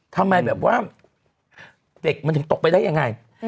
ทำไมแบบว่าเด็กมันถึงตกไปได้ยังไง